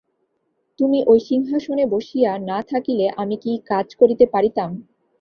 তুমি ওই সিংহাসনে বসিয়া না থাকিলে আমি কি কাজ করিতে পারিতাম!